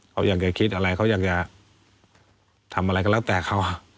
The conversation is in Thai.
เขาอยากจะคิดอะไรเขาอยากจะทำอะไรก็แล้วแต่เขา